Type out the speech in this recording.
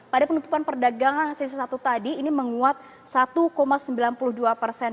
pada penutupan perdagangan sesi satu tadi ini menguat satu sembilan puluh dua persen